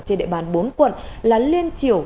trên địa bàn bốn quận là liên triểu